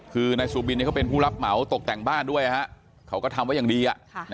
คือนายสุบินเขาเป็นผู้รับเหมาตกแต่งบ้านด้วยเขาก็ทำไว้อย่างดี